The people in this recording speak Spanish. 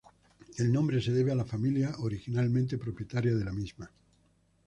El nombre se debe a la familia originalmente propietaria de la misma.